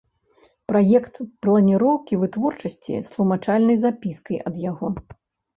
Праект планiроўкi вытворчасцi з тлумачальнай запiскай да яго.